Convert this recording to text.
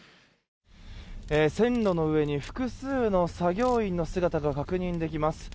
線路の上に複数の作業員の姿が確認できます。